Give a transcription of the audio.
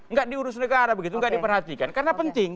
nggak diurus negara begitu nggak diperhatikan karena penting